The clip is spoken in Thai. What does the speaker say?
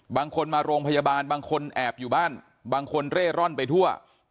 บางคนมาโรงพยาบาลบางคนแอบอยู่บ้านบางคนเร่ร่อนไปทั่ว